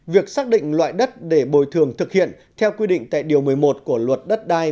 việc xác định loại đất để bồi thường thực hiện theo quy định tại điều một mươi một của luật đất đai